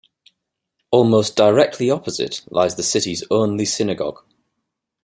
Almost directly opposite lies the city's only synagogue.